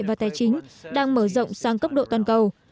và tài chính đang mở rộng sang cấp độ toàn cầu